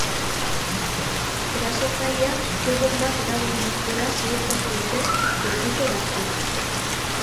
Erasotzaileak ke-bonbak erabili dituela ziurtatu dute lekuko batzuek.